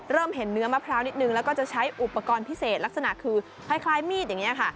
เห็นเนื้อมะพร้าวนิดนึงแล้วก็จะใช้อุปกรณ์พิเศษลักษณะคือคล้ายมีดอย่างนี้ค่ะ